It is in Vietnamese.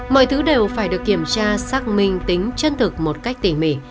mọi thứ đều phải được kiểm tra xác minh tính chân thực một cách tỉ mỉ